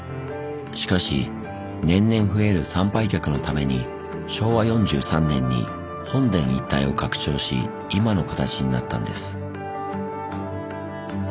しかし年々増える参拝客のために昭和４３年に本殿一帯を拡張し今の形になったんです。